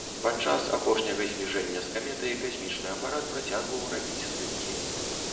Падчас апошняга збліжэння з каметай касмічны апарат працягваў рабіць здымкі.